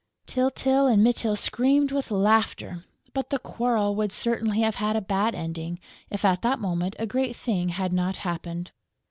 Tyltyl and Mytyl screamed with laughter; but the quarrel would certainly have had a bad ending if, at that moment, a great thing had not happened.